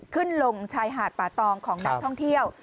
ขึ้นลงชายหาดป่าตองของนักท่องเที่ยว